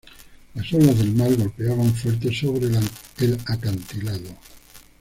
Las olas del mar golpeaban fuertes sobre el acantilado